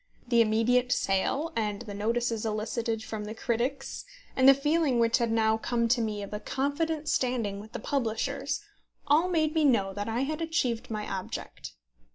The immediate sale, and the notices elicited from the critics, and the feeling which had now come to me of a confident standing with the publishers, all made me know that I had achieved my object.